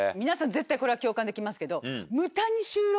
皆さん絶対これは共感できますけど。